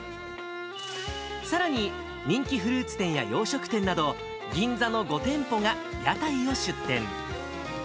さらに、人気フルーツ店や洋食店など、銀座の５店舗が屋台を出店。